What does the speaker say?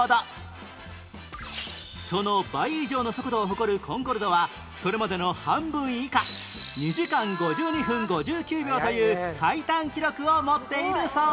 その倍以上の速度を誇るコンコルドはそれまでの半分以下２時間５２分５９秒という最短記録を持っているそうです